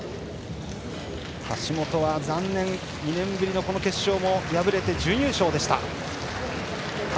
橋本は残念２年ぶりの決勝も敗れて準優勝でした。